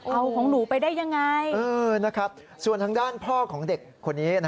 เอาของหนูไปได้ยังไงส่วนทางด้านพ่อของเด็กคนนี้